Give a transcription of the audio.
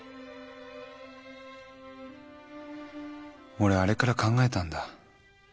「俺あれから考えたんだ」